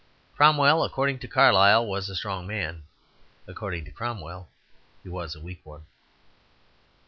Cromwell, according to Carlyle, was a strong man. According to Cromwell, he was a weak one.